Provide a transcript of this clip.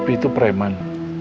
papi itu preman